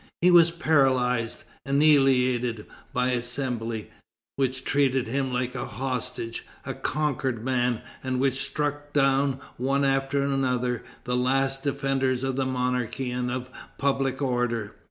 He was paralyzed, annihilated by the Assembly, which treated him like a hostage, a conquered man, and which struck down, one after another, the last defenders of the monarchy and of public order.